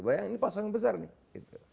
bayang ini pasangan besar nih